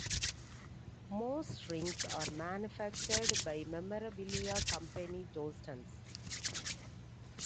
Most rings are manufactured by memorabilia company Jostens.